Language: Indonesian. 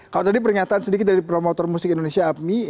kalau tadi pernyataan sedikit dari promotor musik indonesia apmi